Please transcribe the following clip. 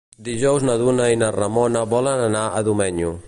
Dijous na Duna i na Ramona volen anar a Domenyo.